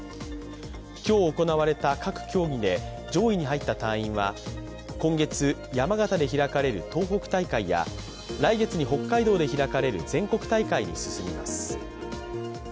今日行われた各競技で上位に入った隊員は今月、山形で開かれる東北大会や来月に北海道で開かれる全国大会に進みます。